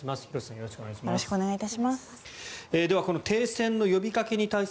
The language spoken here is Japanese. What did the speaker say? よろしくお願いします。